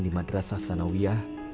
di madrasah sanawiah